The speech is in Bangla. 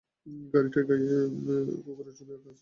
গাড়িটার গায়ে কুকুরের ছবি আঁকা আছে।